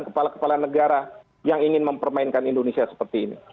kepala kepala negara yang ingin mempermainkan indonesia seperti ini